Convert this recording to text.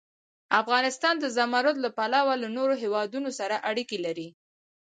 افغانستان د زمرد له پلوه له نورو هېوادونو سره اړیکې لري.